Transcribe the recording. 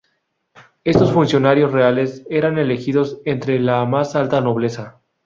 Estos funcionarios reales eran elegidos entre la más alta nobleza.